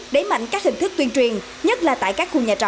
đẩy mạnh các hình thức tuyên truyền nhất là tại các khu nhà trọ